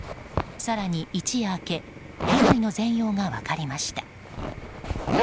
更に一夜明け被害の全容が分かりました。